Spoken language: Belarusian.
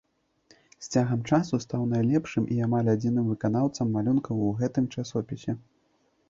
З цягам часу стаў найлепшым і амаль адзіным выканаўцам малюнкаў у гэтым часопісе.